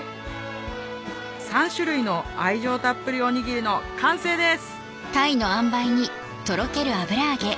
３種類の愛情たっぷりおにぎりの完成です！